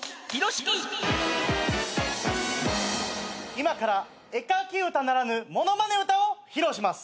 今から絵描き歌ならぬ物まね歌を披露します。